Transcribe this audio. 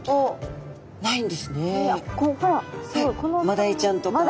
マダイちゃんか。